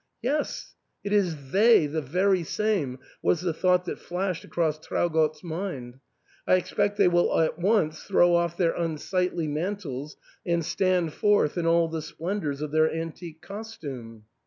" Yes, it is they — the very same !'* was the thought that flashed across Traugott's mind. "I ex pect they will at once throw off their unsightly mantles and stand forth in all the splendours of their antique costume."